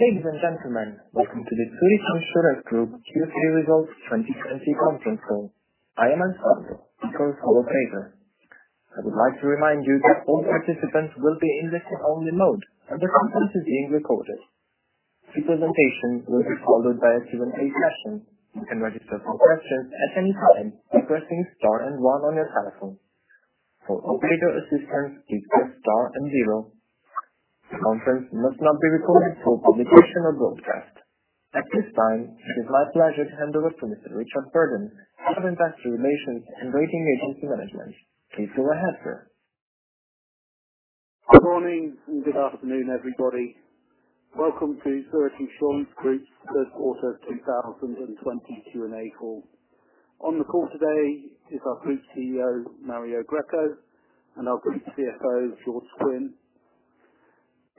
Ladies and gentlemen, welcome to the Zurich Insurance Group Q3 Results 2020 conference call. I am Anton, your host for the day. I would like to remind you that all participants will be in listen only mode, and the conference is being recorded. The presentation will be followed by a Q&A session. You can register for questions at any time by pressing star and one on your telephone. For operator assistance, please press star and zero. The conference must not be recorded for publication or broadcast. At this time, it is my pleasure to hand over to Mr. Richard Burden, Head of Investor Relations and Rating Agency Management. Please go ahead, sir. Good morning and good afternoon, everybody. Welcome to Zurich Insurance Group's third quarter 2020 Q&A call. On the call today is our Group CEO, Mario Greco, and our Group CFO, George Quinn.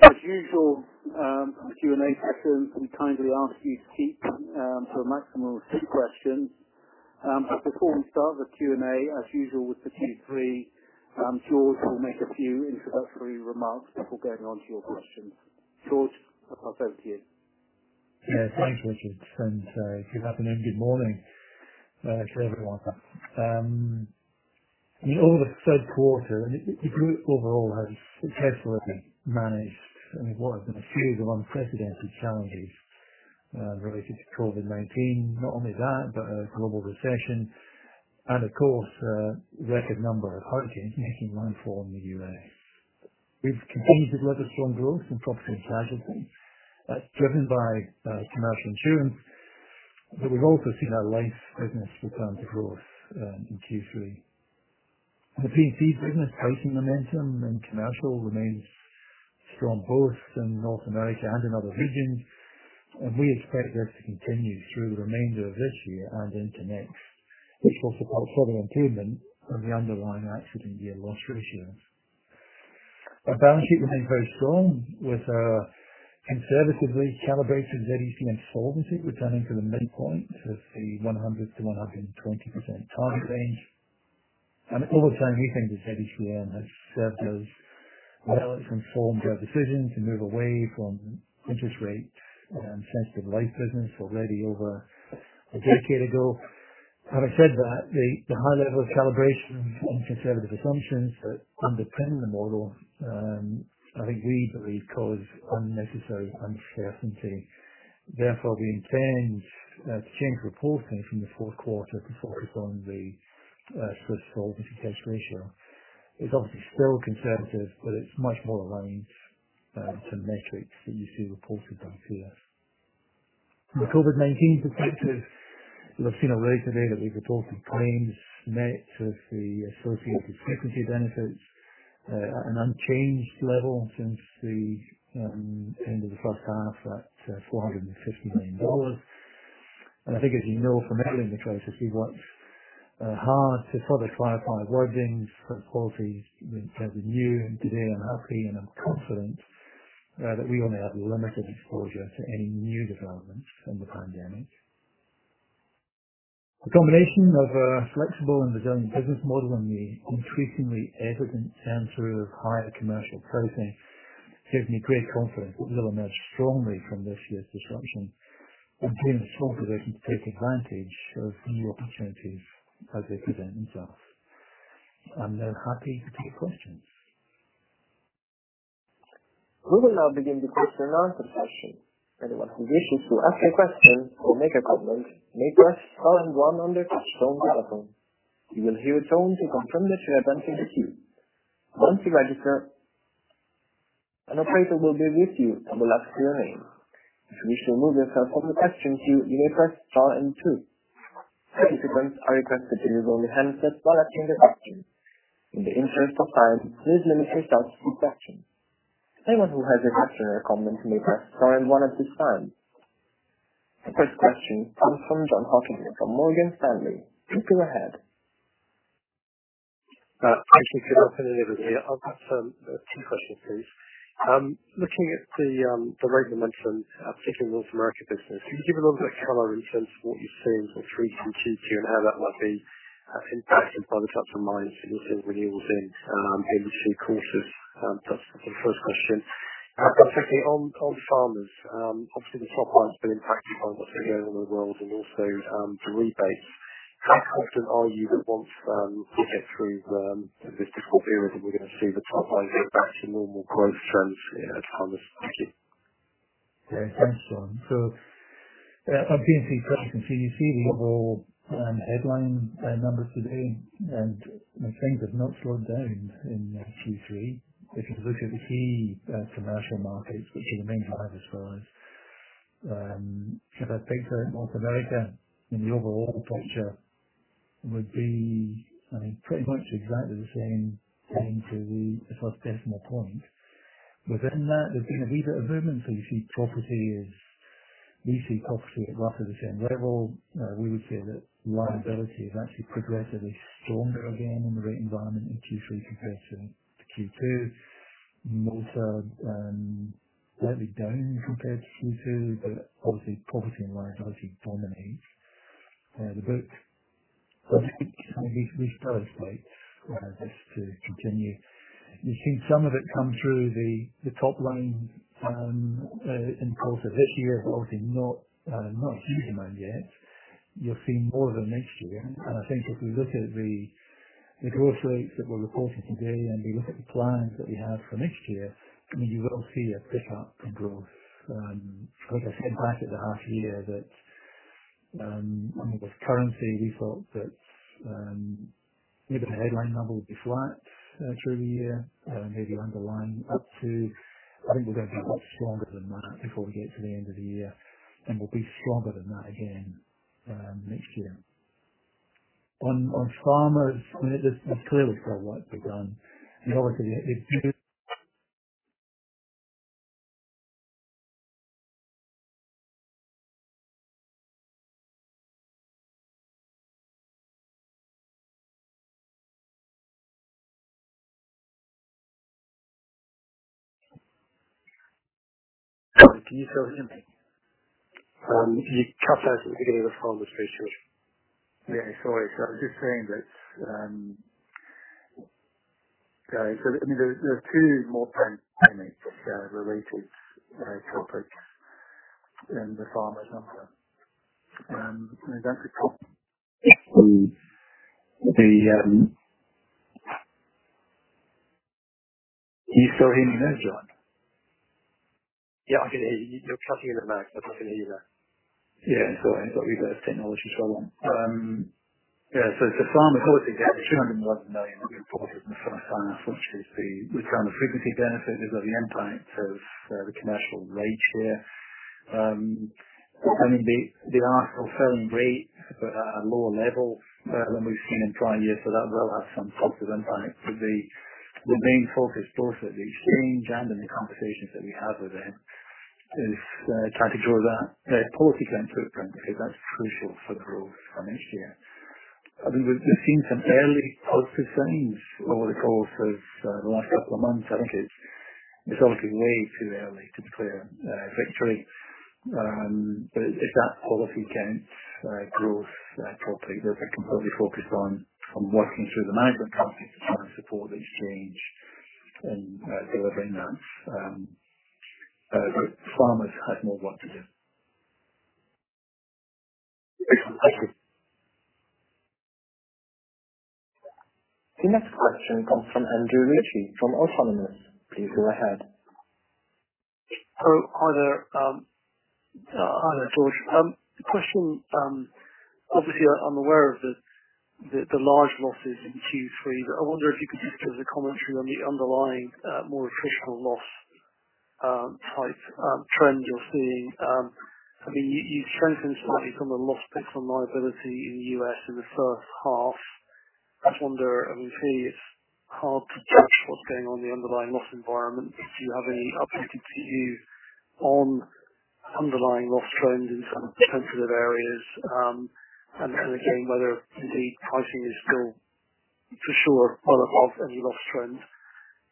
As usual, for the Q&A session, we kindly ask you to keep to a maximum of two questions. Before we start the Q&A, as usual with the Q3, George will make a few introductory remarks before going on to your questions. George, I'll pass over to you. Thanks, Richard. Good afternoon, good morning to everyone. In all the third quarter, the group overall has successfully managed what has been a series of unprecedented challenges related to COVID-19. Not only that, but a global recession and of course, a record number of hurricanes making landfall in the U.S. We've continued to register strong growth in property casualty, driven by commercial insurance, but we've also seen our life business return to growth in Q3. The P&C business pricing momentum and commercial remains strong both in North America and in other regions, and we expect this to continue through the remainder of this year and into next, which will support further improvement on the underlying accident year loss ratio. Our balance sheet remains very strong with a conservatively calibrated Z-ECM solvency returning to the midpoint of the 100%-120% target range. Over time, we think that Z-ECM has served us well. It's informed our decision to move away from interest rate sensitive life business already over a decade ago. Having said that, the high level of calibration and conservative assumptions that underpin the model, I think reasonably cause unnecessary uncertainty. Therefore, we intend to change reporting from the fourth quarter to focus on the Swiss Solvency Test ratio. It's obviously still conservative, but it's much more aligned to metrics that you see reported by peers. The COVID-19 perspective, you'll have seen already today that we've reported claims net of the associated frequency benefits at an unchanged level since the end of the first half at $450 million. I think as you know from handling the crisis, we've worked hard to further clarify wordings for the policies being presented new. Today I'm happy and I'm confident that we only have limited exposure to any new developments from the pandemic. The combination of a flexible and resilient business model and the increasingly evident return to higher commercial pricing gives me great confidence that we'll emerge strongly from this year's disruption and being well-positioned to take advantage of new opportunities as they present themselves. I'm now happy to take questions. We will now begin the question and answer session. Anyone who wishes to ask a question or make a comment, may press star and one on their touchtone telephone. You will hear a tone to confirm that you have entered the queue. Once you register, an operator will be with you and will ask for your name. If you wish to remove yourself from the question queue, you may press star and two. Participants are requested to mute all handsets while asking their question. In the interest of time, please limit yourself to one question. Anyone who has a question or comment may press star and one at this time. The first question comes from Jon Hocking from Morgan Stanley. Please go ahead. Thank you for the delivery. I've got two questions, please. Looking at the rate of momentum, particularly in North America business, can you give a little bit of color in terms of what you're seeing from three through to Q and how that might be impacted by the types of lines in those renewals in industry courses? That's the first question. Secondly, on Farmers, obviously the top line's been impacted by what's been going on in the world and also to rebates. How confident are you that once we get through this difficult period, we're gonna see the top line get back to normal growth trends at Farmers? Thanks, Jon. On P&C pricing. You see the overall headline numbers today, the trend has not slowed down in Q3. If you look at the key commercial markets, which is the main driver of size, if I take the North America the overall picture would be, I mean, pretty much exactly the same to the first decimal point. Within that, there's been a bit of movement. You see property at roughly the same level. We would say that liability is actually progressively stronger again in the rate environment in Q3 compared to Q2. Motor, slightly down compared to Q2, obviously, property and liability dominate the book. Well, I think some of these inaudible rates are just to continue. You've seen some of it come through the top line in quarter. This year is obviously not a seasonal yet. You'll see more of them next year. I think if we look at the growth rates that we're reporting today and we look at the plans that we have for next year, you will see a pick-up in growth. As I said back at the half year, that with currency, we thought that the headline number would be flat through the year and maybe underlying up 2%. I think we're going to be a lot stronger than that before we get to the end of the year, and we'll be stronger than that again next year. On Farmers, there's clearly still work to be done. Obviously. Can you still hear me? You cut out at the beginning of the following speech, George. Yeah, sorry. I was just saying that there are two more payments related to those topics in the Farmers number. The, um Can you still hear me now, Jon? I can hear you. You're cutting in and out, but I can hear you now. Sorry about that. Technology is wrong. Farmers, obviously we had the 211 million we reported in the first half, which is the return of frequency benefit. We've got the impact of the commercial rate share. They are still selling great, but at a lower level than we've seen in prior years. That will have some positive impact. The main focus both at the exchange and in the conversations that we have with them is trying to draw that policy going through the print, because that's crucial for the growth next year. We've seen some early positive signs over the course of the last couple of months. I think it's obviously way too early to declare victory. It's that policy against growth topic that they're completely focused on working through the Management Company to try and support the exchange and deliver that. Farmers has more work to do. Excellent. Thank you. The next question comes from Andrew Ritchie from Autonomous. Please go ahead. Hi there, George. The question, obviously I'm aware of the large losses in Q3, but I wonder if you could just give us a commentary on the underlying more attritional loss type trend you're seeing. You've strengthened slightly from a loss pick from liability in the U.S. in the first half. I wonder, obviously, it's hard to judge what's going on in the underlying loss environment. Do you have any updated view on underlying loss trends in some sensitive areas? Again, whether indeed pricing is still for sure part of any loss trends?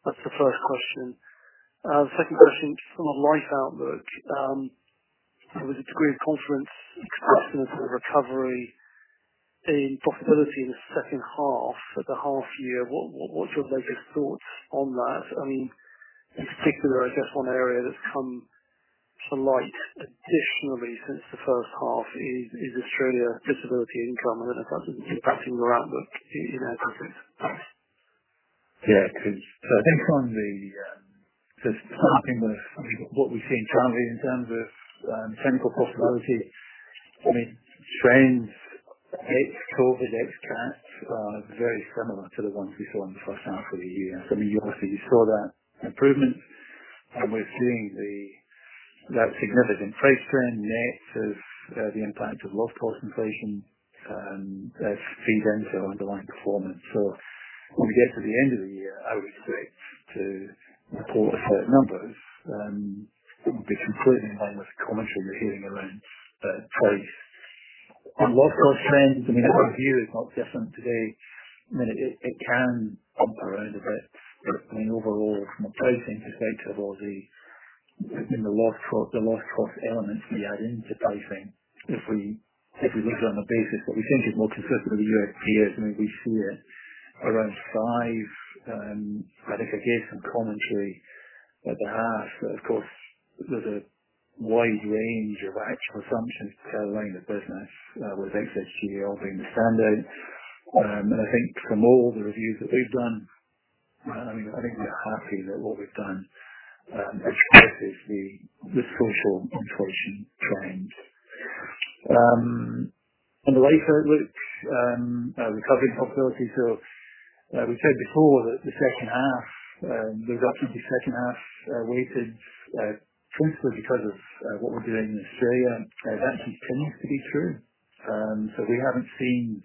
That's the first question. The second question is on the life outlook. There was a degree of confidence expressed in a full recovery in profitability in the second half. At the half year, what's your latest thoughts on that? In particular, I guess one area that's come to light additionally since the first half is Australia Disability Income. I don't know if that's impacting your outlook in that business. Yeah. I think from the starting with what we see currently in terms of technical profitability. Trends ex-COVID, ex-CATs are very similar to the ones we saw in the first half of the year. Obviously you saw that improvement. We're seeing that significant price trend net of the impact of loss cost inflation. That feeds into our underlying performance. When we get to the end of the year, I would expect to report a set of numbers that would be completely in line with the commentary you're hearing around price. On loss cost trends, our view is not different today. It can bump around a bit. Overall from a pricing perspective or the loss cost elements we add into pricing, if we look it on a basis that we think is more consistent with the U.S. peers, we see it around 5%. I think I gave some commentary at the half. There's a wide range of actual assumptions underlying the business with xx GDL being the standout. I think from all the reviews that we've done, I think we're happy that what we've done expresses the structural inflation trends. On the life outlook, recovery profitability. We said before that the second half, the reduction in the second half are weighted principally because of what we're doing in Australia. That actually seems to be true. We haven't seen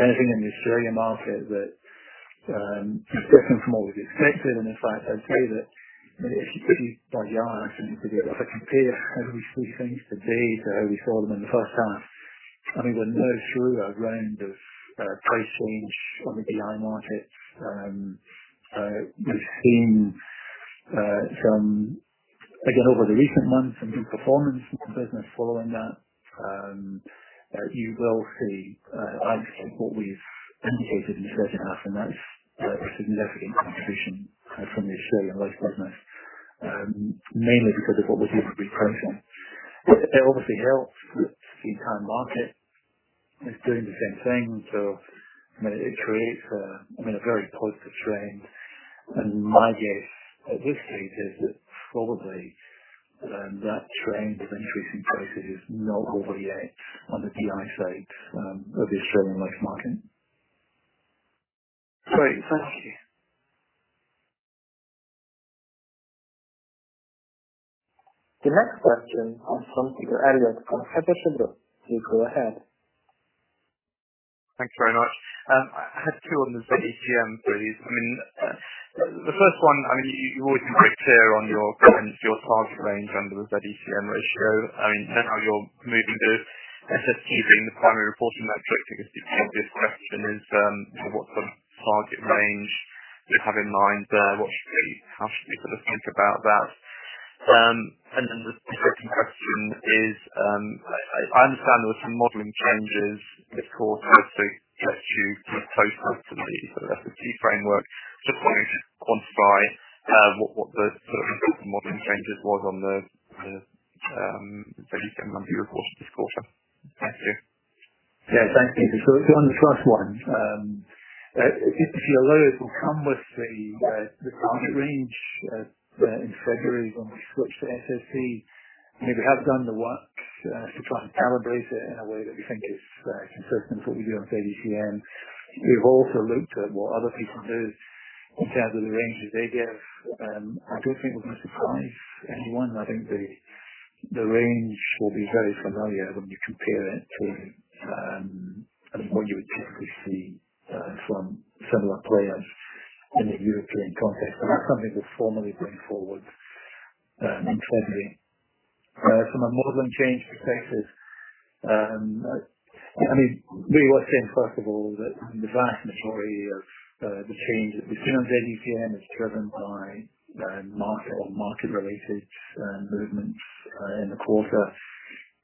anything in the Australia market that is different from what we've expected. In fact, I'd say that it actually could be slightly higher. If I compare every three things today to how we saw them in the first half. We're now through a round of price change on the DI market. We've seen, again, over the recent months, some good performance from the business following that. You will see, I think, what we've indicated in the second half. That is a significant contribution from the Australian life business, mainly because of what we did with reprofiling. It obviously helps that the entire market is doing the same thing. It creates a very positive trend. My guess at this stage is that probably, that trend of increasing prices is not over yet on the DI side of the Australian life market. Great. Thank you. The next question comes from Peter Eliot from Kepler Cheuvreux. Please go ahead. Thanks very much. I had two on the ZECM, really. The first one, you've always been quite clear on your target range under the ZECM ratio. I know now you're moving to SST being the primary reporting metric. I guess the obvious question is, what's the target range you have in mind there? How should we think about that? Then the second question is, I understand there were some modeling changes that caused you to get closer to the SST framework. Just wanted to quantify what the result from modeling changes was on the ZECM under your course this quarter. Thank you. Yeah, thank you. On the first one, if you see a load will come with the target range in February when we switch to SST. We have done the work to try and calibrate it in a way that we think is consistent with what we do on ZECM. We've also looked at what other people do in terms of the ranges they give. I don't think we're going to surprise anyone. I think the range will be very familiar when you compare it to what you would typically see from similar players in the European context. That's something we'll formally bring forward in February. From a modeling change perspective, really what I'm saying, first of all, is that the vast majority of the change between ZECM is driven by market or market-related movements in the quarter.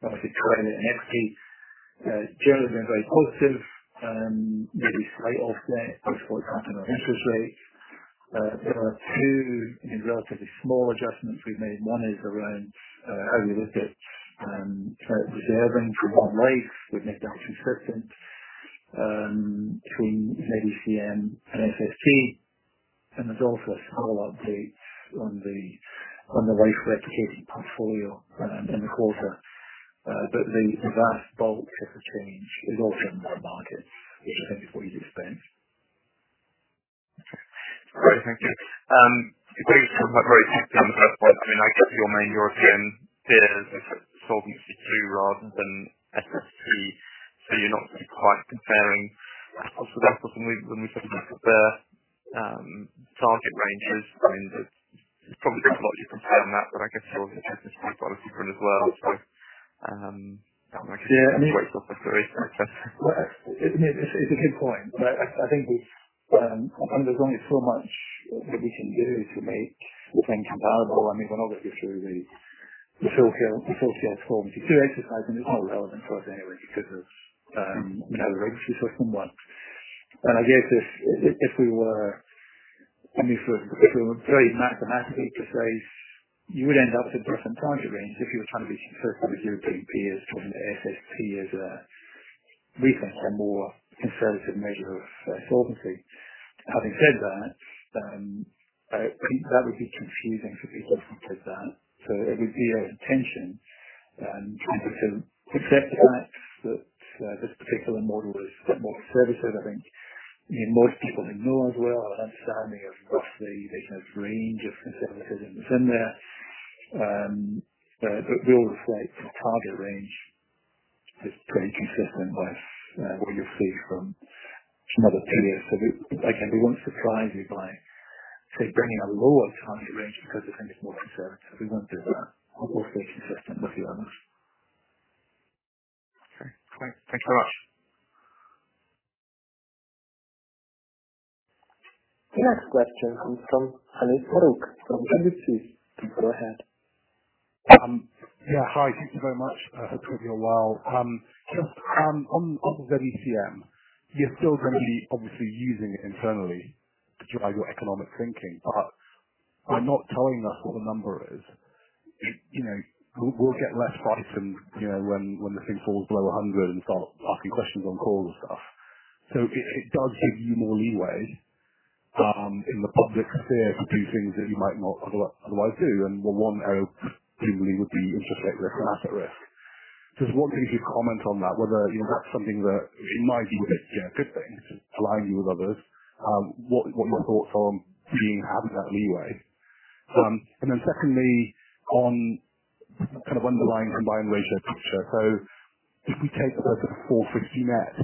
Obviously, credit and equity has generally been very positive, really slight offset, post-quarter movement on interest rates. There are two relatively small adjustments we've made. One is around how we look at reserving for OneLife. We've made that consistent between ZECM and SST, and there's also some updates on the life specific portfolio in the quarter. The vast bulk of the change is also in the market, which I think is what you'd expect. Great, thank you. You're being very technical on the first point. I mean, I guess your main European peers is Solvency II rather than SST. You're not quite comparing apples with apples when we look at the target ranges, and there's probably not a lot you can say on that, but I guess you're under business policy print as well. I guess that's great stuff. It's a good point. I think there's only so much that we can do to make the things comparable. I mean, we're obviously the Solvency II exercise, and it's not relevant for us anyway because of the legacy system. I guess if we were very mathematically precise, you would end up with a different target range if you were trying to be super competitive with European peers from the SST as a recent and more conservative measure of solvency. Having said that would be confusing for people if we did that. It would be our intention, and I think to accept the fact that this particular model is a bit more conservative. I think most people ignore as well or have an understanding of roughly the kind of range of conservatism that's in there. We always say target range is pretty consistent with what you'll see from some other peers. Again, we won't surprise you by, say, bringing a lower target range because we think it's more conservative. We won't do that. We'll stay consistent with the others. Okay, great. Thanks so much. The next question comes from Anuj Parekh from Credit Suisse. Please go ahead. Yeah. Hi, thank you very much. It's good to be here, Will. Just on the ZECM, you're still going to be obviously using it internally to drive your economic thinking, but you're not telling us what the number is. We'll get less frightened when the thing falls below 100 and start asking questions on calls and stuff. It does give you more leeway in the public sphere to do things that you might not otherwise do, and the one presumably would be interstate-rate risk and asset risk. Just wondering if you'd comment on that, whether that's something that, in my view, is a good thing to align you with others. What are your thoughts on having that leeway? Secondly, on underlying combined ratio picture. If we take the 450 net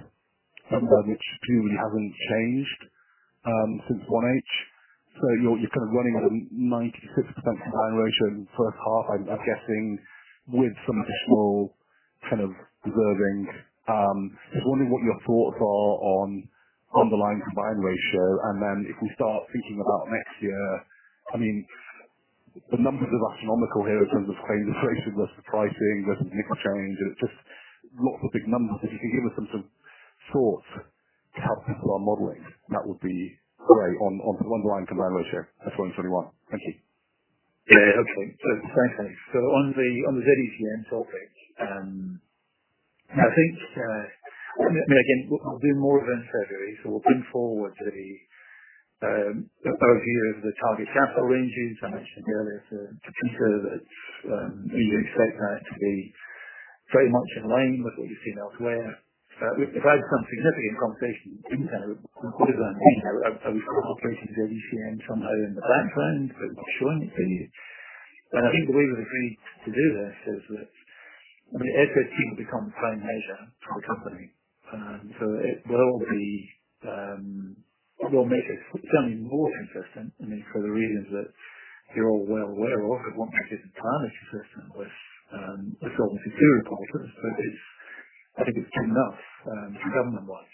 number, which presumably hasn't changed since 1H, You're running at a 96% combined ratio in the first half, I'm guessing, with some additional Kind of deserving, just wondering what your thoughts are on underlying combined ratio. If we start thinking about next year, the numbers are astronomical here in terms of claims inflation, there's pricing, there's climate change, and it's just lots of big numbers. If you could give us some thoughts to help people are modeling, that would be great on the underlying combined ratio for 2021. Thank you. Yeah. Okay. Fair thanks. On the ZECM topic, I think, again, we'll do more of them in February. We'll bring forward the overview of the target capital ranges. I mentioned earlier to Peter that we would expect that to be very much in line with what you've seen elsewhere. We've had some significant conversations internally, including, I know, a conversation with ZECM somehow in the background, but not showing it to you. I think the way we've agreed to do this is that SST will become the prime measure for the company. It will make it suddenly more consistent, for the reasons that you're all well aware of, but won't make it entirely consistent, which is obviously true of all companies. I think it's good enough to govern by.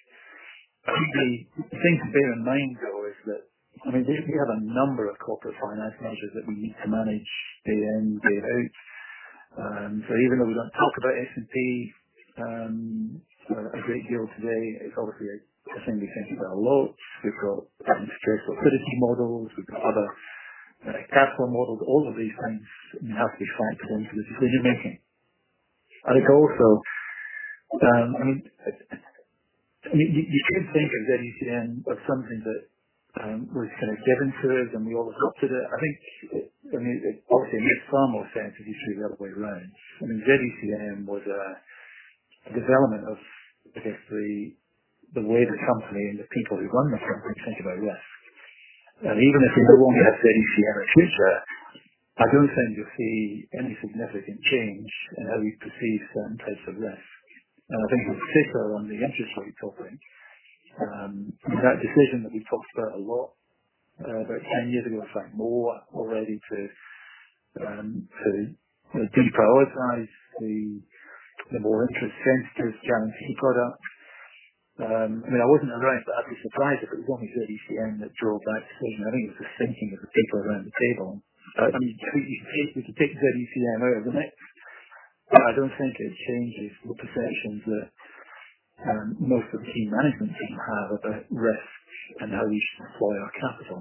The thing to bear in mind, though, is that we have a number of corporate finance measures that we need to manage day in, day out. Even though we don't talk about S&P a great deal today, it's obviously something we think about a lot. We've got certain stress liquidity models. We've got other capital models. All of these things have to be translated into decision-making. I think also, you shouldn't think of ZECM as something that was kind of given to us, and we all adopted it. I think it obviously makes far more sense if you see the railway line. ZECM was a development of, I guess, the way the company and the people who run the company think about risk. Even if we no longer have ZECM in the future, I don't think you'll see any significant change in how we perceive certain types of risk. I think it's similar on the interest rate topic. That decision that we talked about a lot, about 10 years ago, if not more, already to deprioritize the more interest-sensitive guarantee products. I mean, I wasn't outright happily surprised that it was only ZECM that drove that decision. I think it was the thinking of the people around the table. You could take ZECM out of the mix, but I don't think it changes the perceptions that most of the senior management team have about risk and how we should deploy our capital.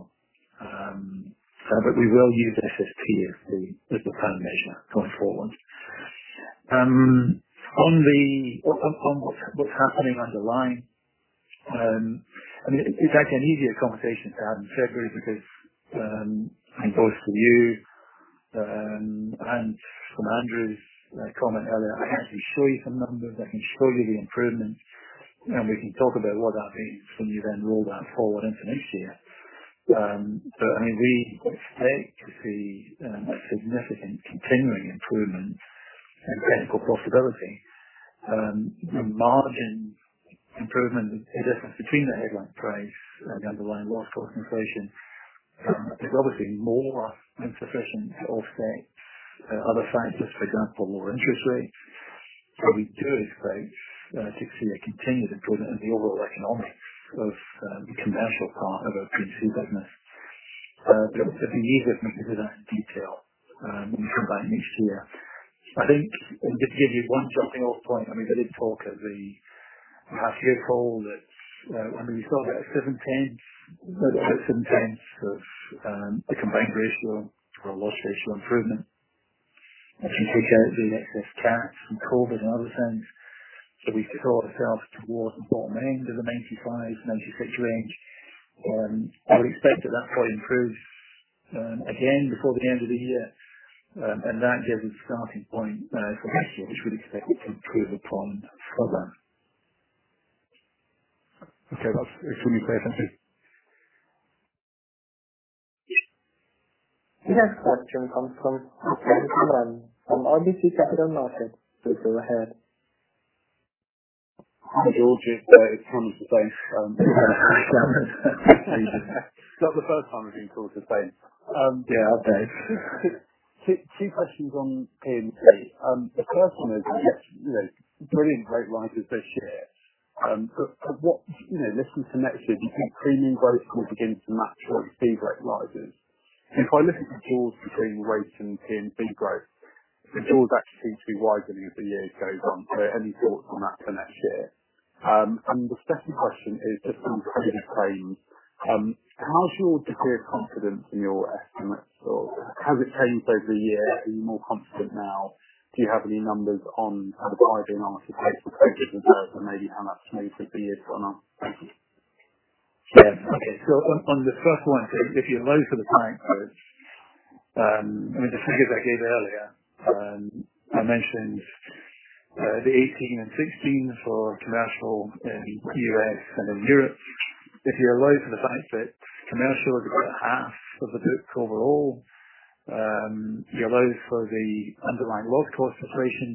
We will use SST as the prime measure going forward. On what's happening underlying, it's actually an easier conversation to have in February because I can go to you, and from Andrew's comment earlier, I can actually show you some numbers. I can show you the improvements. We can talk about what that means when you then roll that forward into next year. We expect to see a significant continuing improvement in technical profitability. The margin improvement is different between the headline price and underlying loss ratio inflation. There's obviously more than sufficient to offset other factors, for example, lower interest rates. We do expect to see a continued improvement in the overall economics of the commercial part of our P&C business. It'll be easier for me to give that in detail when we come back next year. I think just to give you one jumping-off point, I did talk at the past year call that we saw about 0.7 of the combined ratio or loss ratio improvement if you take out the excess CAT and COVID-19 and other things. We saw ourselves towards the bottom end of the 95%-96% range. I would expect that that probably improves again before the end of the year. That gives a starting point for next year, which we'd expect to improve upon further. Okay. That's really clear. Thank you. The next question comes from Tobias Bateman from RBC Capital Markets. George, you're ahead. Hi, George. It's Thomas Bateman. It's not the first time I've been called Tobias. Yeah. Okay. Two questions on P&C. The first one is, you had brilliant rate rises this year. Listening to next year, do you think premium growth will begin to match or exceed rate rises? If I look at the jaws between rates and P&C growth, the jaws actually seem to be widening as the year goes on. Any thoughts on that for next year? The second question is just on credit claims. How sure or confident are you in your estimates, or has it changed over the years? Are you more confident now? Do you have any numbers on how the prior year marks have played compared to maybe how much maybe could be a true or not? Thank you. Yeah. Okay. On the first one, if you allow for the time code, the figures I gave earlier, I mentioned the 18 and 16 for commercial in the U.S. and in Europe. If you allow for the fact that commercial is about half of the book overall, you allow for the underlying loss ratio inflation,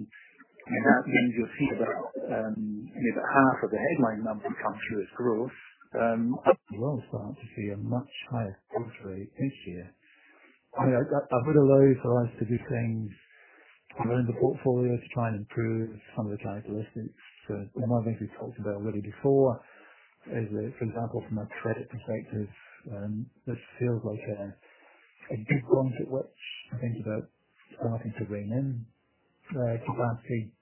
that means you'll see that half of the headline number comes through as growth. You will start to see a much higher growth rate next year. A bit of those allows us to do things within the portfolio to try and improve some of the characteristics. One of the things we've talked about already before is, for example, from a credit perspective, it feels like a good point at which to think about starting to rein in capacity.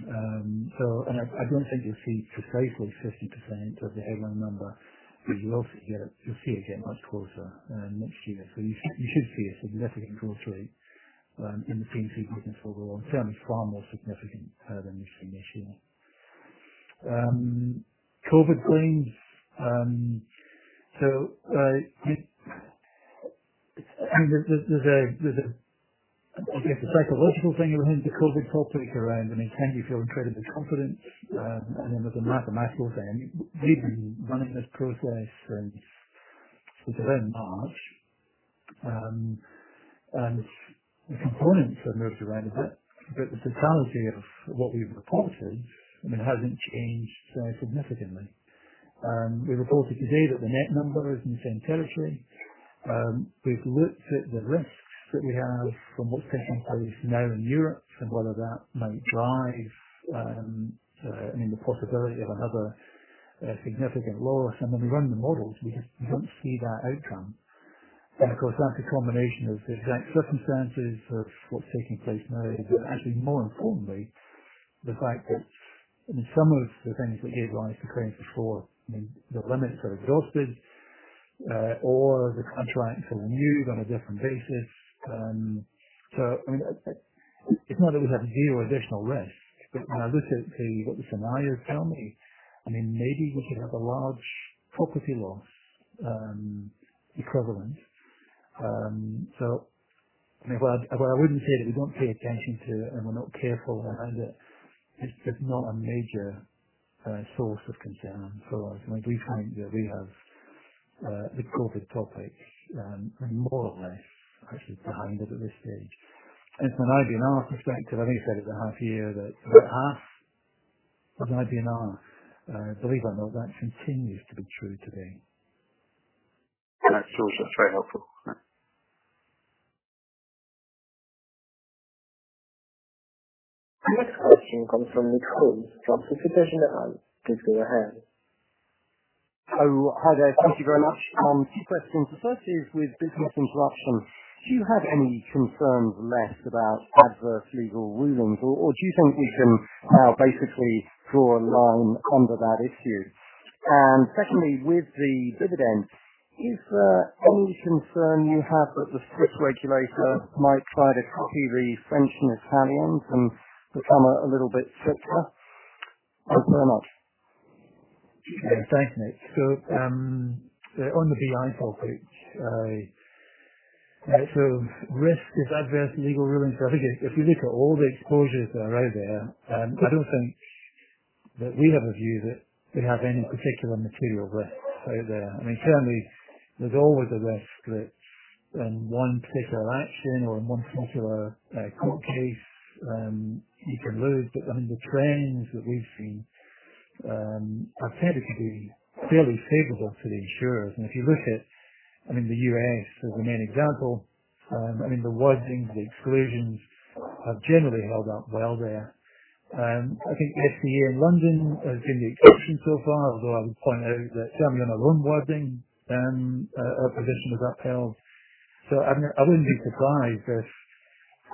I don't think you'll see precisely 50% of the headline number, but you will see it get much closer next year. You should see a significant fall through in the P&C business overall. Certainly far more significant than this year. COVID claims. There's a psychological thing that happens with COVID topics around, it can make you feel incredibly confident. Then there's a mathematical thing. We've been running this process since around March, the components have moved around a bit, but the totality of what we've reported hasn't changed significantly. We reported today that the net number is in the same territory. We've looked at the risks that we have from what's taking place now in Europe and whether that may drive the possibility of another significant loss. When we run the models, we just don't see that outcome. Of course, that's a combination of the exact circumstances of what's taking place now. Actually, more importantly, the fact that some of the things that gave rise to claims before, the limits are exhausted, or the contracts are renewed on a different basis. It's not as if there's zero additional risk. When I look at what the scenarios tell me, maybe we could have a large property loss equivalent. While I wouldn't say that we don't pay attention to it and we're not careful, it's just not a major source of concern for us. We find that we have the COVID topic more or less actually behind us at this stage. From an IBNR perspective, I think I said it the half year, that half of an IBNR. Believe it or not, that continues to be true today. That's very helpful. The next question comes from Nick Holmes from Société Générale. Please go ahead. Hi there. Thank you very much. Two questions. The first is with business interruption. Do you have any concerns left about adverse legal rulings, or do you think we can now basically draw a line under that issue? Secondly, with the dividend, is there any concern you have that the Swiss regulator might try to copy the French and Italians and become a little bit stricter? Thanks very much. Yeah, thanks, Nick. On the BI topic. Risk is adverse legal rulings. I think if we look at all the exposures that are out there, I don't think that we have a view that we have any particular material risk out there. Certainly, there's always a risk that in one particular action or in one particular court case, you can lose. The trends that we've seen have tended to be fairly favorable to the insurers. If you look at the U.S. as the main example, the wordings, the exclusions have generally held up well there. I think the FCA in London has been the exception so far, although I would point out that certainly on the wrongdoing position was upheld. I wouldn't be surprised if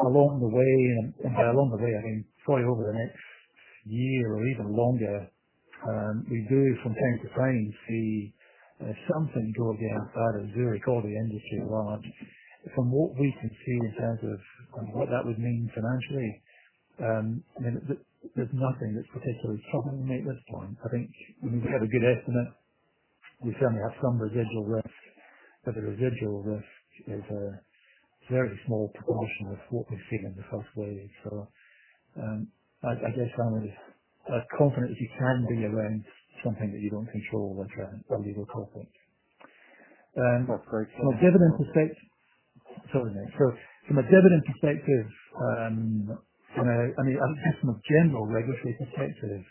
along the way, and by along the way, I mean probably over the next year or even longer, we do from time to time see something go against either Zurich or the industry at large. From what we can see in terms of what that would mean financially, there's nothing that's particularly troubling me at this point. I think we have a good estimate. We certainly have some residual risk, but the residual risk is a very small proportion of what we've seen in the first wave. I guess I'm as confident as you can be around something that you don't control, like a legal topic. That's very clear. From a dividend perspective-- Sorry, Nick. From a dividend perspective, I would say from a general regulatory perspective,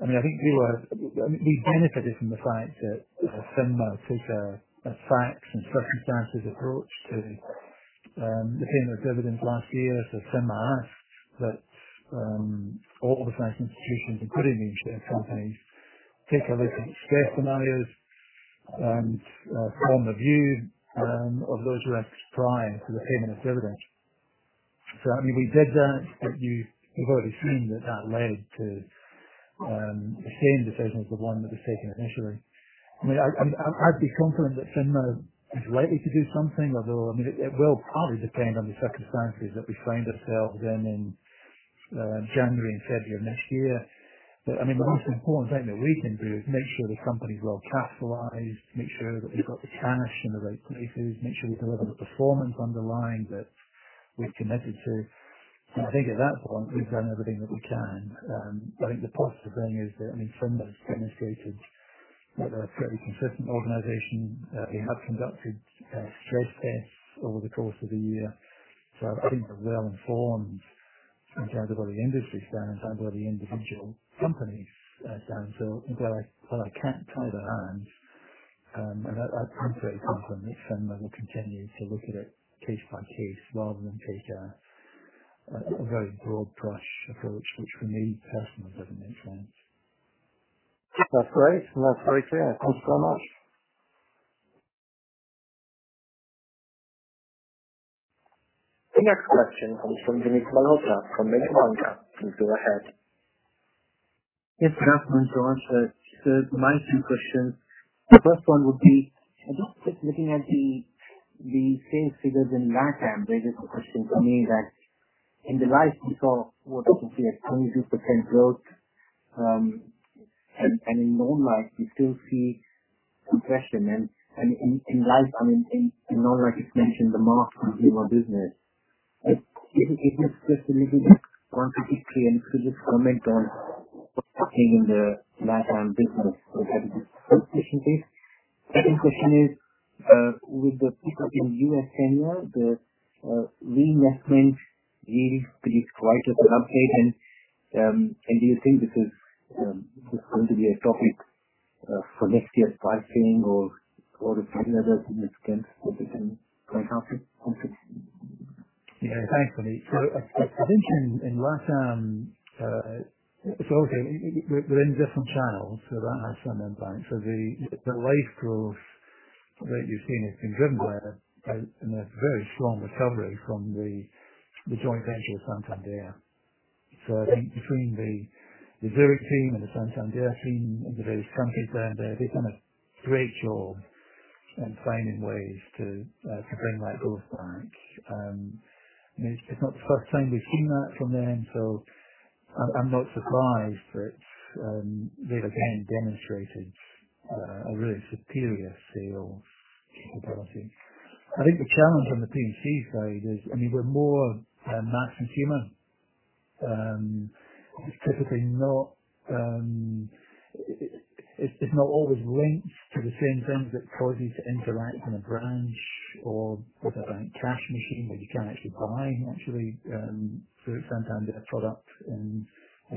I think we benefited from the fact that FINMA took a facts and circumstances approach to the payment of dividends last year. FINMA asked that all the Swiss institutions, including the insurance companies, take a look at stress scenarios and form a view of those risks prior to the payment of dividends. We did that, but you have already seen that led to the same decision as the one that was taken initially. I'd be confident that FINMA is likely to do something, although, it will partly depend on the circumstances that we find ourselves in in January and February of next year. The most important thing that we can do is make sure the company is well capitalized, make sure that we've got the cash in the right places, make sure we deliver the performance underlying that we've committed to. I think at that point, we've done everything that we can. I think the positive thing is that FINMA has demonstrated that they're a fairly consistent organization. They have conducted stress tests over the course of the year. I think they're well informed in terms of where the industry is down, in terms of where the individual company is down. I can't tell and I'm very confident that Sam will continue to look at it case by case rather than take a very broad brush approach, which for me personally doesn't make sense. That's great. That's very clear. Thanks so much. The next question comes from Vinit Malhotra from Mediobanca. Please go ahead. Yes, thanks very much, George. My two questions. The first one would be, I guess just looking at the sales figures in LatAm raises the question for me that in the life we saw what looks like a 22% growth, and in non-life we still see compression. In life, I mean, in non-life, you've mentioned the market leading our business. If you could just maybe want to quickly and could just comment on what's happening in the LatAm business would have been the first question is. Second question is, with the pickup in U.S. senior, the reinvestment yield has been quite a surprise. Do you think this is going to be a topic for next year's pricing or the premium that you can still become quite happy on six? Yeah. Thanks, Vinit. I think in LatAm, obviously we are in different channels. That has some impact. The life growth that you're seeing has been driven by a very strong recovery from the joint venture with Santander. I think between the Zurich team and the Santander team in the various countries they're in there, they've done a great job in finding ways to bring that growth back. It's not the first time we've seen that from them, so I'm not surprised that they've again demonstrated a really superior sales capability. I think the challenge on the P&C side is, I mean, we're more mass consumer. It's typically not always linked to the same things that causes you to interact in a branch or with a bank cash machine where you can actually buy through Santander products in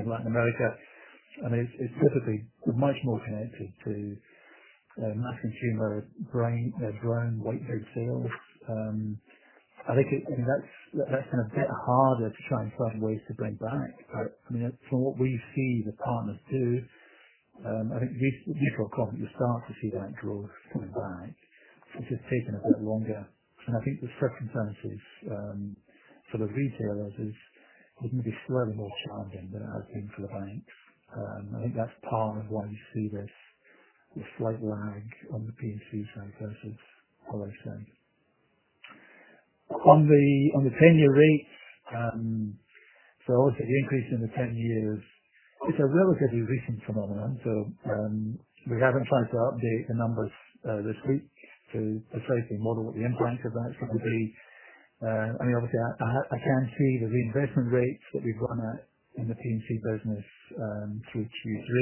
Latin America. I mean, it's typically much more connected to mass consumer grown white label sales. I think that's been a bit harder to try and find ways to bring back. I mean, from what we see the partners do, I think year-to-year probably you start to see that growth coming back. It's just taken a bit longer. I think the circumstances for the retailers is maybe slightly more challenging than it has been for the banks. I think that's part of why you see this slight lag on the P&C side versus what I've seen. On the 10-year rates, obviously the increase in the 10 years is a relatively recent phenomenon. We haven't tried to update the numbers this week to reflect or model what the impact of that's going to be. I mean, obviously, I can see the reinvestment rates that we've gotten at in the P&C business through Q3.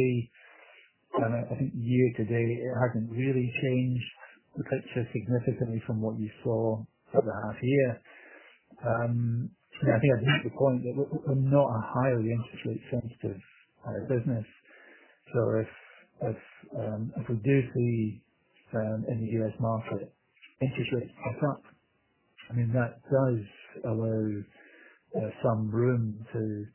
I think year to date, it hasn't really changed the picture significantly from what you saw for the half year. I think I just make the point that we're not a highly interest rate sensitive business. If we do see in the U.S. market interest rates pop up, I mean, that does allow some room to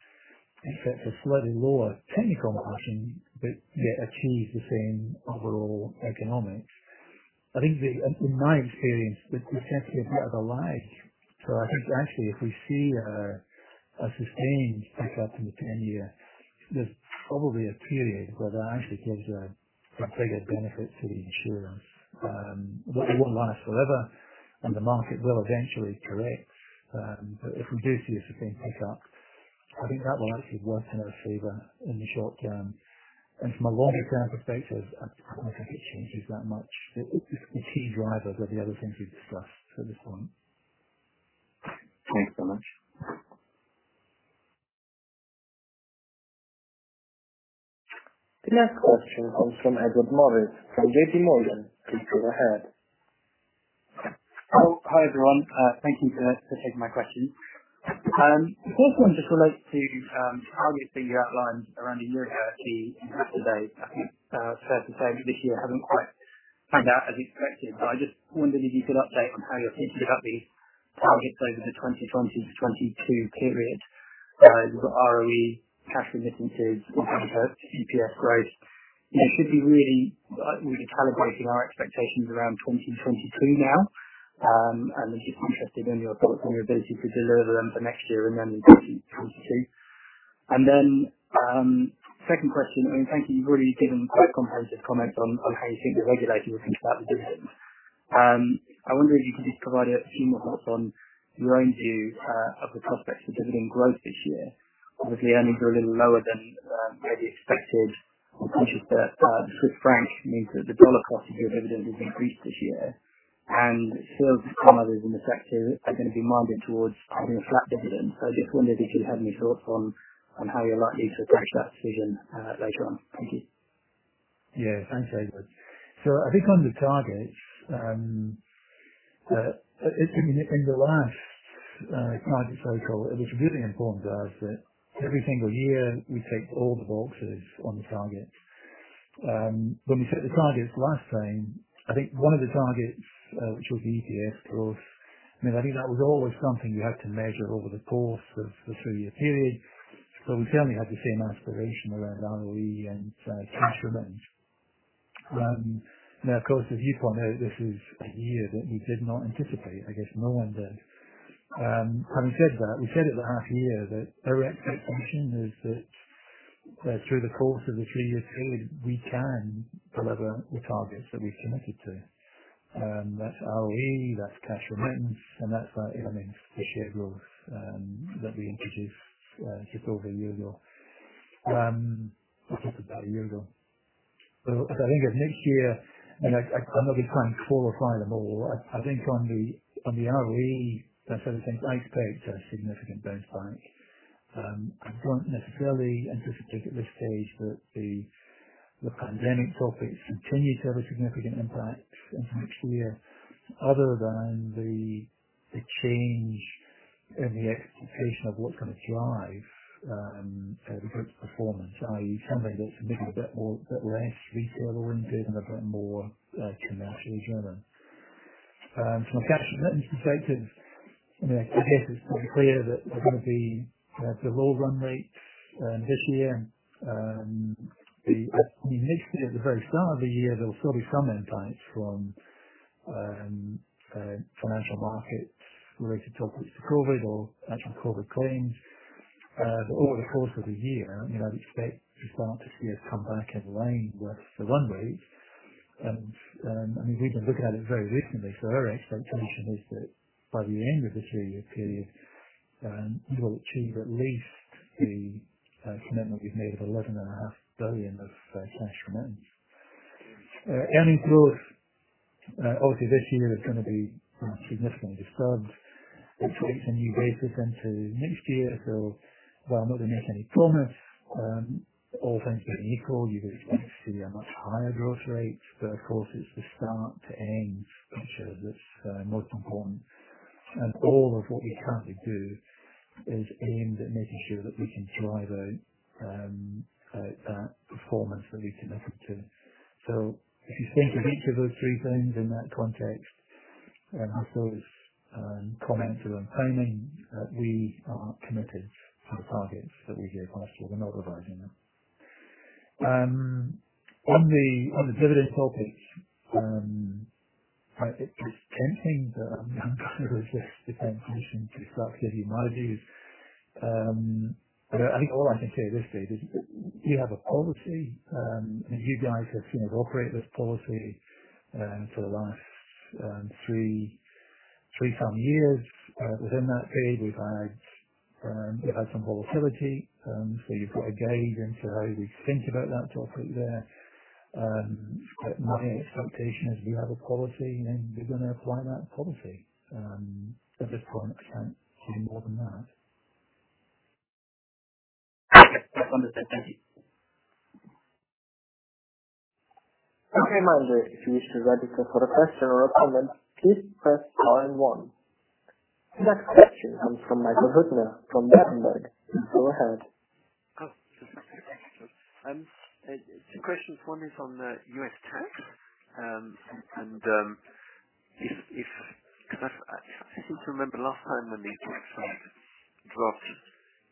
accept a slightly lower technical margin, but yet achieve the same overall economics. I think in my experience, this has to be a bit of a lag. I think actually if we see a sustained pick up in the 10-year, there's probably a period where that actually gives a bigger benefit to the insurer. It won't last forever and the market will eventually correct. If we do see a sustained pick up, I think that will actually work in our favor in the short term. From a longer term perspective, I don't think it changes that much. The key drivers are the other things we've discussed to this point. Thanks so much. The next question comes from Edward Morris from JPMorgan. Please go ahead. Hi, everyone. Thank you for taking my question. The first one just relates to targets that you outlined around a year ago at the Investor Day. I think it's fair to say that this year hasn't quite panned out as you expected. I just wondered if you could update on how you're thinking about the targets over the 2020 to 2022 period. You've got ROE, cash remittances, what have you, EPS growth. Should we be calibrating our expectations around 2022 now? I'm just interested in your thoughts on your ability to deliver them for next year and then in 2022. Second question. I mean, thank you. You've already given quite comprehensive comments on how you think the regulators would think about the business. I wonder if you could just provide a few more thoughts on your own view of the prospects for dividend growth this year. Obviously, earnings are a little lower than maybe expected. Appreciation of Swiss franc means that the dollar cost of your dividend has increased this year. Sure competitors in the sector are going to be minded towards having a flat dividend. I just wondered if you had any thoughts on how you're likely to approach that decision later on. Thank you. Yeah. Thanks, David. I think on the targets, in the last crisis cycle, it was really important to us that every single year we ticked all the boxes on the target. When we set the targets last time, I think one of the targets, which was EPS growth, I think that was always something you had to measure over the course of the three-year period, we certainly had the same aspiration around ROE and cash remittance. Of course, as you point out, this is a year that we did not anticipate, I guess no one did. Having said that, we said at the half year that our expectation is that through the course of the three-year period, we can deliver the targets that we've committed to. That's ROE, that's cash remittance, and that's earnings per share growth that we introduced just over a year ago. We talked about a year ago. I think as next year, and I'm not going to try and qualify them all, I think on the ROE type sort of things, I expect a significant bounce back. I don't necessarily anticipate at this stage that the pandemic topics continue to have a significant impact into next year other than the change in the expectation of what's going to drive the group's performance, i.e., something that's maybe a bit less retail oriented and a bit more commercially driven. From a cash remittance perspective, I guess it's pretty clear that they're going to be at the lower run rate this year. We mentioned it at the very start of the year, there will still be some impact from financial markets related topics to COVID or actual COVID claims. Over the course of the year, we expect to start to see it come back in line with the run rate. We've been looking at it very recently. Our expectation is that by the end of the three-year period, we will achieve at least the commitment we've made of 11.5 billion of cash remittance. Earnings growth, obviously this year is going to be significantly disturbed. It creates a new basis into next year. While I'm not going to make any promise, all things being equal, you would expect to see a much higher growth rate. Of course, it's the start to end picture that's most important. All of what we currently do is aimed at making sure that we can drive out that performance that we committed to. If you think of each of those three things in that context and half-year's comments around timing, we are committed to the targets that we gave last year. We're not revising them. On the dividend topic, it's tempting, but I'm going to resist the temptation to start giving guidance. I think all I can say is this, David, we have a policy, and you guys have seen us operate this policy for the last three some years. Within that period, we've had some volatility. You've got a gauge into how we think about that topic there. My expectation is we have a policy, and we're going to apply that policy. At this point, I can't say more than that. That's understood. Thank you. A reminder. If you wish to register for a question or a comment, please press star and one. The next question comes from Michael Huttner from Berenberg. Go ahead. Two questions. One is on the U.S. tax. I seem to remember last time when the tax rate dropped,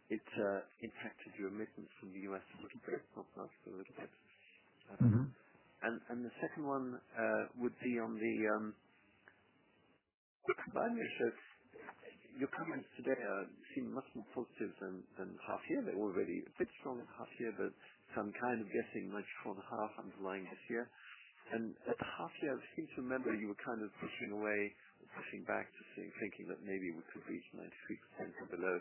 it impacted your remittance from the U.S. a little bit. The second one would be on the combination. Your comments today seem much more positive than half year. They were already a bit strong at half year, but I'm kind of guessing much stronger half underlying this year. At the half year, I seem to remember you were pushing away or pushing back to thinking that maybe we could reach 93% and below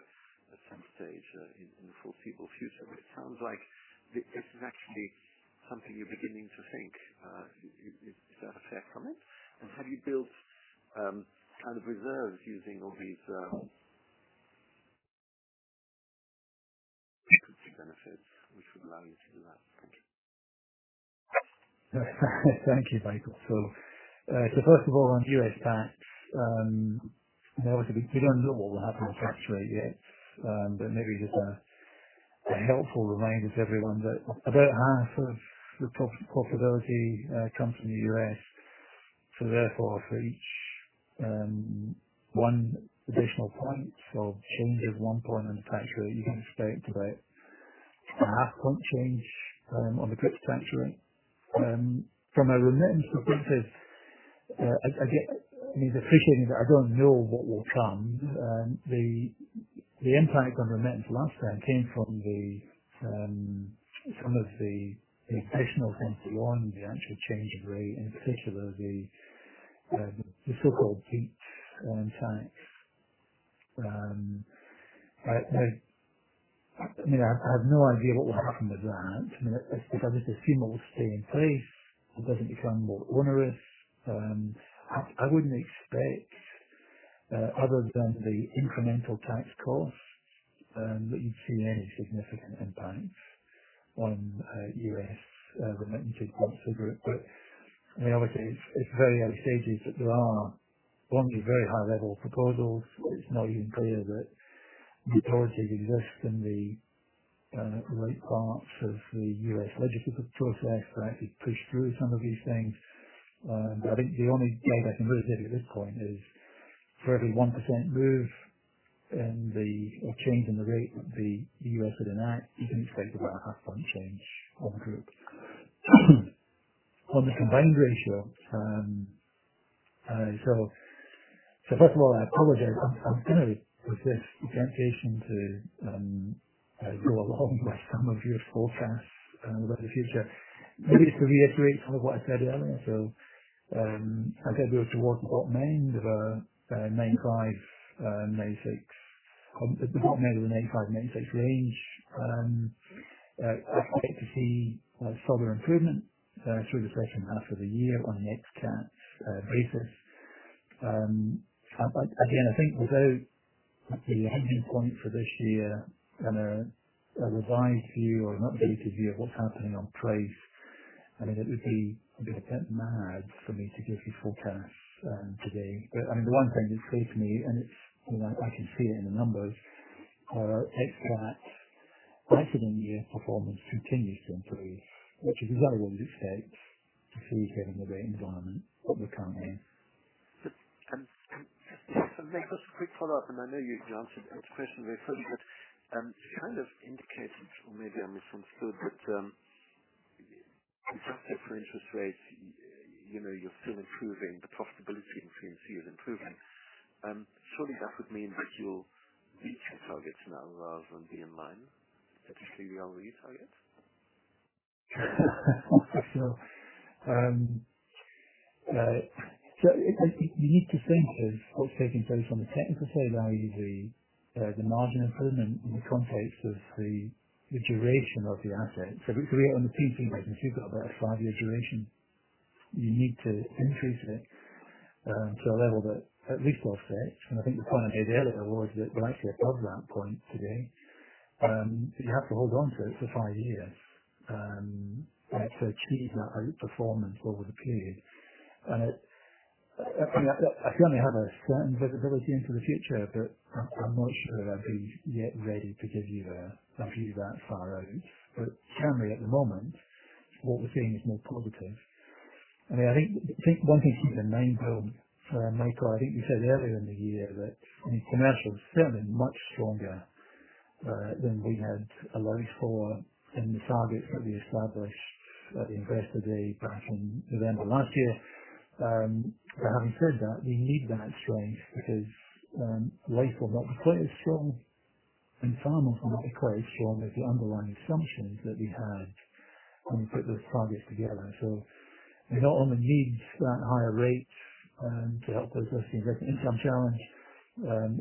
at some stage in the foreseeable future. It sounds like this is actually something you're beginning to think. Is that a fair comment? Have you built reserves using all these benefits which would allow you to do that? Thank you, Michael. First of all, on U.S. tax, obviously we don't know what will happen to the tax rate yet, but maybe just a helpful reminder to everyone that about half of the profitability comes from the U.S. Therefore, for each one additional point or change of one point on the tax rate, you can expect about a 0.5 Point change on the group's tax rate. From a remittance perspective, appreciating that I don't know what will come, the impact on remittance last time came from some of the exceptional things that weren't the actual change of rate, in particular, the so-called BEAT tax. I have no idea what will happen with that. If I had to assume it will stay in place or doesn't become more onerous. I wouldn't expect. Other than the incremental tax cost, that you'd see any significant impact on U.S. remitted profits of the group. Obviously it's very early stages, but there are only very high-level proposals. It's not even clear that the policy exists in the right parts of the U.S. legislative process to actually push through some of these things. I think the only gauge I can really give you at this point is for every 1% move in the change in the rate that the U.S. would enact, you can expect about a half point change on the group. On the combined ratio. First of all, I apologize. I'm going to resist the temptation to roll along my stomach with your forecast about the future. Maybe it's to reiterate some of what I said earlier. I said we were towards the top end of the 95, 96 range. I expect to see further improvement through the second half of the year on an ex CAT basis. Again, I think although at the landing point for this year, a revised view or an updated view of what's happening on price, I think it would be a bit mad for me to give you forecasts today. The one thing that's clear to me, and I can see it in the numbers, is that accident year performance continues to improve, which is exactly what you'd expect to see given the rate environment what we're currently in. Just a quick follow-up, I know you answered Ed's question very similarly. It kind of indicates, or maybe I misunderstood, adjusted for interest rates, you're still improving the possibility between fee is improving. Surely that would mean that you'll beat your targets now rather than be in line. Do you see beyond your targets? No. You need to think of what's taking place on the technical side, i.e., the margin improvement in the context of the duration of the assets. If you create on the P&C business, you've got about a five-year duration. You need to increase it to a level that at least offsets. I think the point I made earlier was that we're actually above that point today. You have to hold onto it for five years to achieve that outperformance over the period. I can only have a certain visibility into the future, but I'm not sure I'd be yet ready to give you a view that far out. Currently at the moment, what we're seeing is more positive. I think one thing to keep an eye on, Michael, I think we said earlier in the year that in commercial, certainly much stronger than we had allowed for in the targets that we established at Investor Day back in November last year. Having said that, we need that strength because rates have not decreased. In some ways we're not quite strong as the underlying assumptions that we had when we put those targets together. We not only need higher rates to help us with the investment income challenge,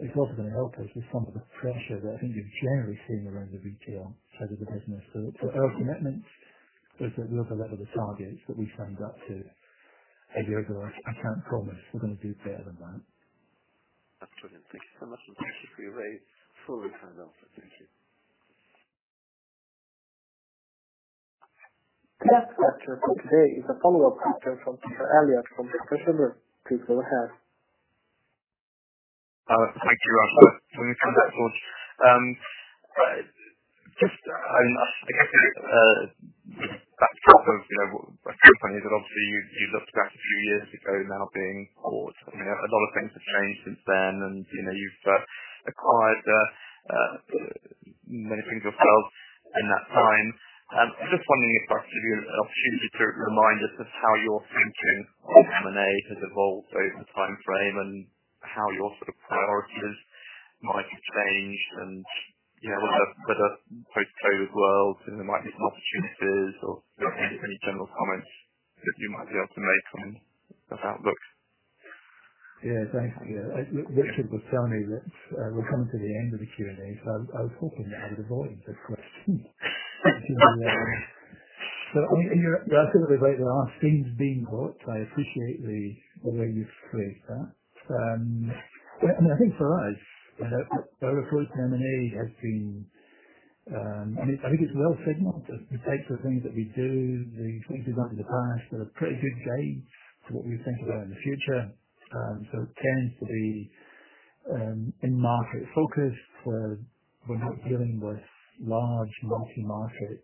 it's also going to help us with some of the pressure that I think you're generally seeing around the retail side of the business. Our commitment is that we'll deliver the targets that we signed up to a year ago. I can't promise we're going to do better than that. Absolutely. Thank you so much. Thank you for your very thorough turn out. Thank you. Next question for today is a follow-up question from Peter Eliot from Kepler Cheuvreux. Please go ahead. Thank you. When we come back on board. I guess that sort of a few pennies that obviously you looked at a few years ago now being bought. A lot of things have changed since then, and you've acquired many things yourself in that time. I'm just wondering if I could give you an opportunity to remind us of how your thinking on M&A has evolved over the time frame and how your sort of priorities might have changed and whether post-COVID world there might be some opportunities or any general comments that you might be able to make on the outlook. Yeah. Thanks, Peter. Richard was telling me that we're coming to the end of the Q&A, so I was hoping that I would avoid this question. I think that we wrote the last things being bought, so I appreciate the way you've phrased that. I think for us, our approach to M&A has been I think it's well signaled. The types of things that we do, the things we've done in the past are a pretty good gauge for what we think about in the future. It tends to be in-market focused. We're not dealing with large multi-market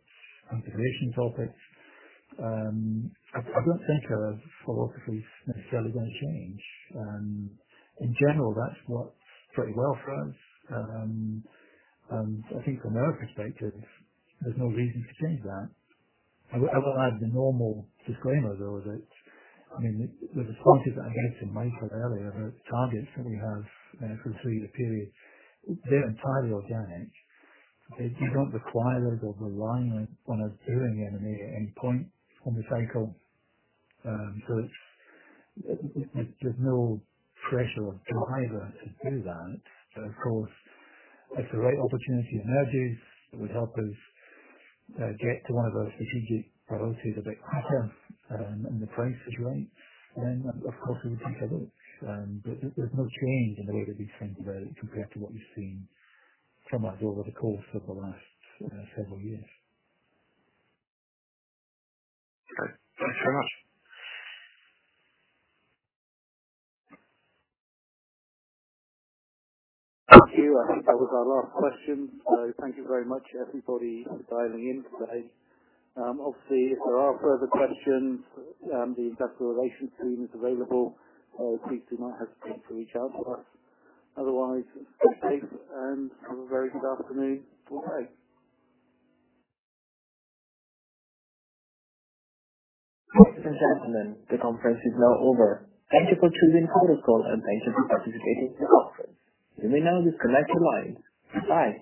integration topics. I don't think our philosophy is necessarily going to change. In general, that's worked pretty well for us. I think from our perspective, there's no reason to change that. I will add the normal disclaimer, though, that the responses I gave to Michael earlier about targets that we have for the three-year period, they're entirely okay. You don't require a lot of relying on a doing M&A endpoint on the cycle. There's no pressure or driver to do that. Of course, if the right opportunity emerges that would help us get to one of our strategic priorities a bit quicker in the price regime, then of course we would take a look. There's no change in the way that we think about it compared to what you've seen from us over the course of the last several years. Okay. Thanks so much. Thank you. I think that was our last question. Thank you very much, everybody dialing in today. Obviously, if there are further questions, the investor relations team is available. Please do not hesitate to reach out to us. Otherwise, stay safe and have a very good afternoon. Goodbye. Ladies and gentlemen, the conference is now over. Thank you for choosing Conference Call and thank you for participating in this conference. You may now disconnect your lines. Bye.